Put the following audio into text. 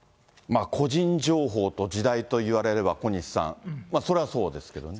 個人情報と時代と言われれば、小西さん、それはそうですけどね。